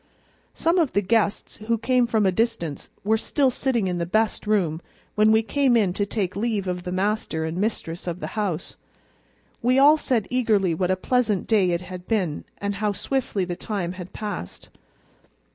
Some of the guests who came from a distance were still sitting in the best room when we went in to take leave of the master and mistress of the house. We all said eagerly what a pleasant day it had been, and how swiftly the time had passed.